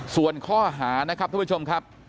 ส่วนข้อหานะครับท่านผู้ชมครับ